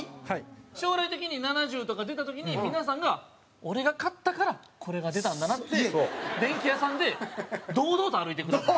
将来的に、７０とか出た時に皆さんが俺が買ったからこれが出たんだなって電器屋さんで堂々と歩いてください。